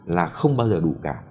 là không bao giờ đủ cả